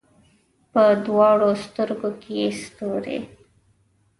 په دواړو سترګو کې یې ستوري